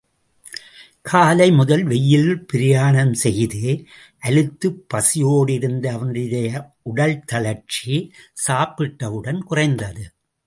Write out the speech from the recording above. காலை முதல் வெயிலில் பிராயணம் செய்து, அலுத்துப் பசியோடிருந்த அவனுடைய உடல் தளர்ச்சி, சாப்பிட்டவுடன் குறைந்தது.